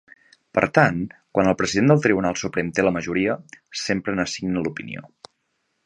Per tant, quan el president del Tribunal Suprem té la majoria, sempre n'assigna l'opinió.